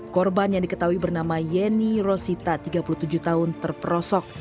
korban yang diketahui bernama yeni rosita tiga puluh tujuh tahun terperosok